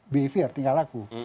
behavior tinggal aku